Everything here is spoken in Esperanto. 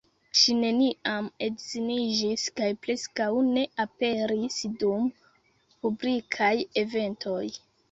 Ŝi neniam edziniĝis kaj preskaŭ ne aperis dum publikaj eventoj.